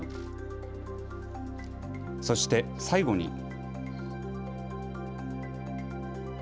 そして最後に。